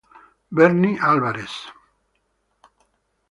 Berni Álvarez